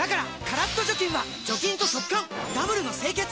カラッと除菌は除菌と速乾ダブルの清潔！